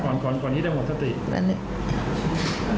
ก่อนนี้ได้หมดสติ